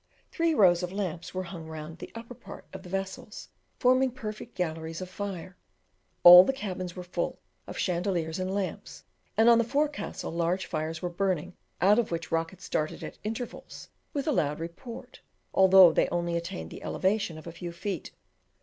Three rows of lamps were hung round the upper part of the vessels, forming perfect galleries of fire; all the cabins were full of chandeliers and lamps, and on the forecastle large fires were burning out of which rockets darted at intervals with a loud report, although they only attained the elevation of a few feet.